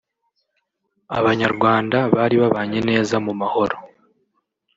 abanyarwanda bari babanye neza mu mahoro